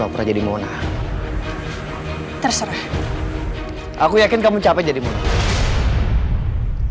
saya sering dituduh tuduh kalau saya ini putih